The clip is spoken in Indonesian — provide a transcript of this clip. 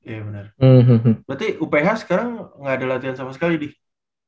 berarti uphl sekarang gak ada latihan sama sekali dih